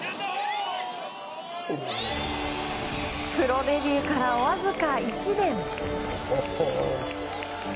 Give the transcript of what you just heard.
プロデビューから、わずか１年。